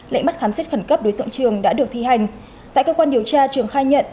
lệnh bắt khám xét khẩn cấp đối tượng trường đã được thi hành tại cơ quan điều tra trường khai nhận